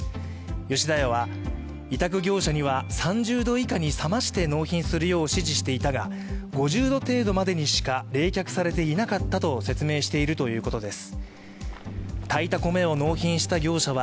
吉田屋は、委託業者には３０度以下に冷まして納品するよう指示していたが５０度程度にまでしか冷却されていなかったと説明しているということです。